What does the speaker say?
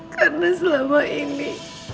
karena selama ini